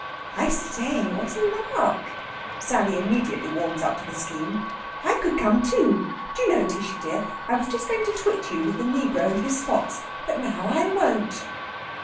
"I say, what a lark!" Sally immediately warms up to the scheme. "I could come, too. Do you know, Tishy dear, I was just going to twit you with the negro and his spots. But now I won't."